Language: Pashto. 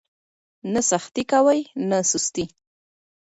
نه سختي کوئ نه سستي.